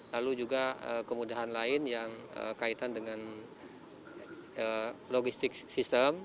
lalu juga kemudahan lain yang kaitan dengan logistik sistem